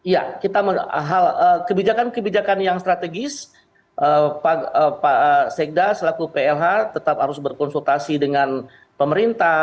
ya kebijakan kebijakan yang strategis pak sekda selaku plh tetap harus berkonsultasi dengan pemerintah